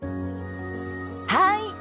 はい！